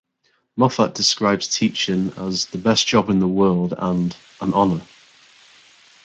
Moffat describes teaching as "the best job in the world" and "an honour".